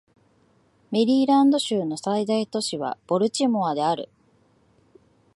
メリーランド州の最大都市はボルチモアである